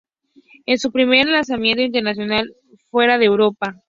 Es su primer lanzamiento internacional fuera de Europa.